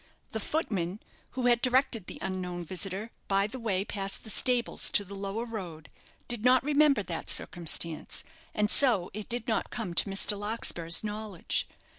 The footman, who had directed the unknown visitor by the way past the stables to the lower road, did not remember that circumstance and so it did not come to Mr. Larkspur's knowledge.